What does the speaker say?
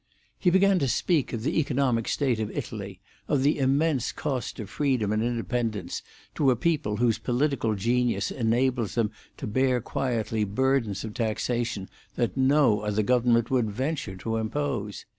He began to speak of the economic state of Italy, of the immense cost of freedom and independence to a people whose political genius enables them to bear quietly burdens of taxation that no other government would venture to impose.